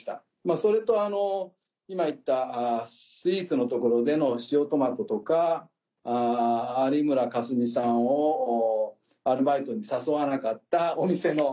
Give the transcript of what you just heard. それと今言ったイーツのところでの塩トマトとか有村架純さんをアルバイトに誘わなかったお店の。